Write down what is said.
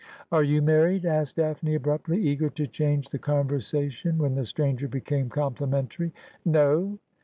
' Are you married ?' asked Daphne abruptly, eager to change the conversation when the stranger became complimentary. 'No.'